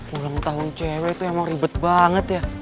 ulang tahun cewek itu emang ribet banget ya